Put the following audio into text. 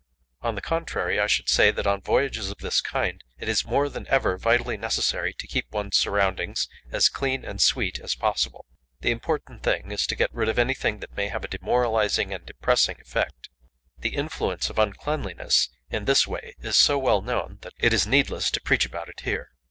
On the contrary, I should say that on voyages of this kind it is more than ever vitally necessary to keep one's surroundings as clean and sweet as possible. The important thing is to get rid of anything that may have a demoralizing and depressing effect. The influence of uncleanliness in this way is so well known that it is needless to preach about it here.